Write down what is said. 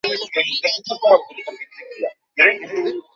এর উত্তর বের করতে হবে।